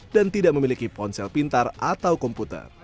dan tidak memiliki ponsel pintar atau komputer